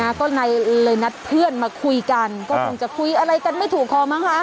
ก็เลยเลยนัดเพื่อนมาคุยกันก็คงจะคุยอะไรกันไม่ถูกคอมั้งคะ